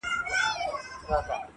چي راضي مُلا چرګک او خپل پاچا کړي-